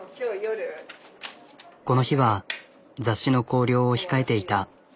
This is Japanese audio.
この日は雑誌の校了を控えていた。